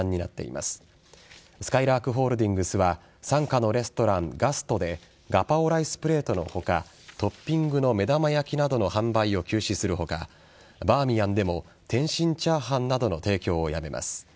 すかいらーくホールディングスは傘下のレストランガストでガパオライスプレートの他トッピングの目玉焼きなどの販売を休止する他バーミヤンでも天津チャーハンなどの提供をやめます。